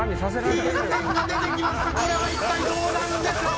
これは一体どうなるんでしょう